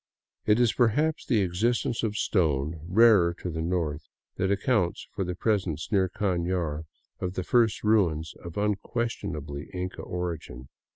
It is perhaps the existence of stone, rarer to the north, that accounts for the presence near Canar of the first ruins of unquestionably Inca origin.